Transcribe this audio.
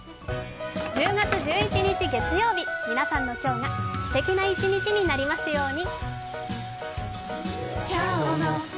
１０月１１日月曜日、皆さんの今日がすてきな一日になりますように。